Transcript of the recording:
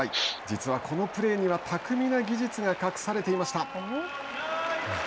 実は、このプレーには巧みな技術が隠されていました。